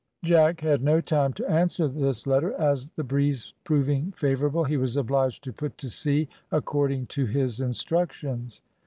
Jack had no time to answer this letter, as, the breeze proving favourable, he was obliged to put to sea according to his instructions.